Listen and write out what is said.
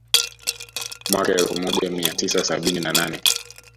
Mwaka elfu moja mia tisa sabini na nane